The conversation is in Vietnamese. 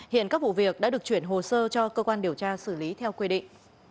hiện các vụ việc đã được chuyển hồ sơ cho cơ quan điều tra xử lý theo quy định